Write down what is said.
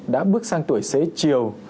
đã bước sang tuổi xế chiều